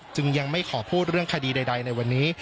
ยังไม่ขอพูดเรื่องคดีใดในวันนี้